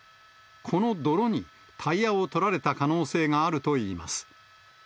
この泥にタイヤを取られた可能性があるといいます。